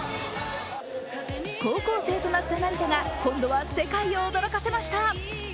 高校生となった成田が今度は世界を驚かせました。